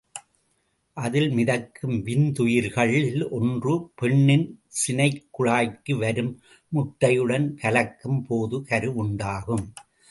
அதில் மிதக்கும் விந்துயிர்களில் ஒன்று பெண்ணின் சினைக்குழாய்க்கு வரும் முட்டையுடன் கலக்கும் போது கருவுண்டாகும்.